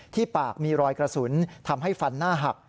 ที่ปากมีรอยกระสุนทำให้ฟันหน้าหัก